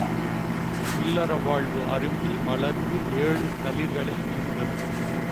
இல்லற வாழ்வு அரும்பி மலர்ந்து ஏழு தளிர்களை ஈன்றது.